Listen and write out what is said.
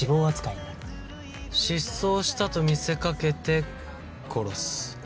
失踪したと見せかけて殺す。